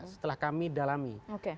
setelah kami dalami